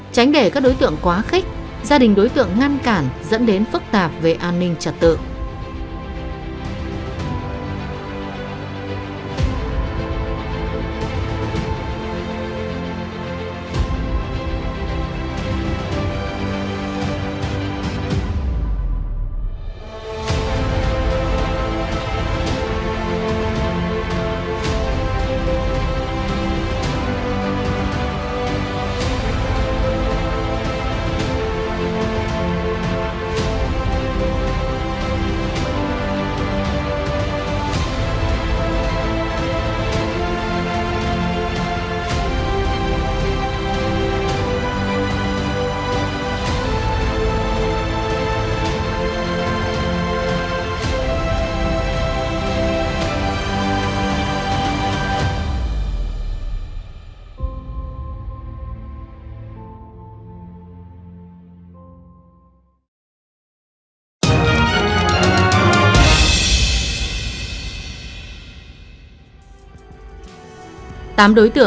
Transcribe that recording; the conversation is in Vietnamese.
tránh để các đối tượng quá khích gia đình đối tượng ngăn cản dẫn đến phức tạp về an ninh trật tự